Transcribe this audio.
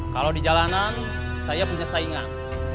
kalau di jalanan saya punya saingan